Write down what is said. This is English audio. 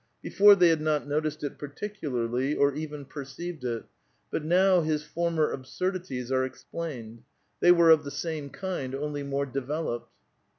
Before, they had not noticed it particularly, or even perceived it ; but now his former absurdities are explained. They were of the same kind, only more developed.